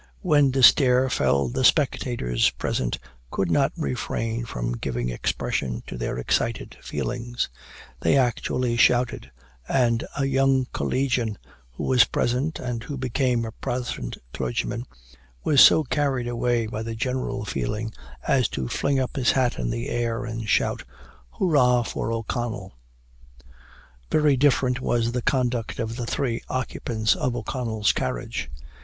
When D'Esterre fell the spectators present could not refrain from giving expression to their excited feelings; they actually shouted; and a young collegian who was present, and who became a Protestant clergyman, was so carried away by the general feeling, as to fling up his hat in the air, and shout, "Hurra for O'Connell!" Very different was the conduct of the three occupants of O'Connell's carriage.